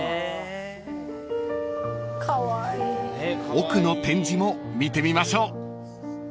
［奥の展示も見てみましょう］